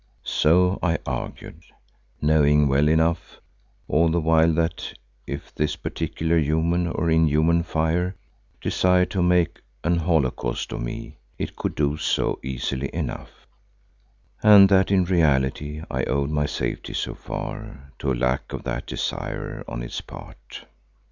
So I argued, knowing well enough all the while that if this particular human—or inhuman—fire desired to make an holocaust of me, it could do so easily enough, and that in reality I owed my safety so far to a lack of that desire on its part.